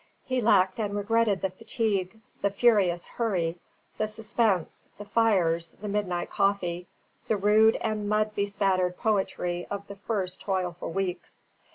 He lacked and regretted the fatigue, the furious hurry, the suspense, the fires, the midnight coffee, the rude and mud bespattered poetry of the first toilful weeks.